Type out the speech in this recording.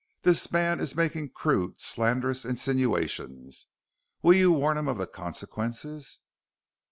This man is making crude, slanderous insinuations. Will you warn him of the consequences?"